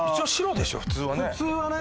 普通はね